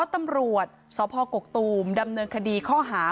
ตำรวจซปกกดำเนินคดีเขาหา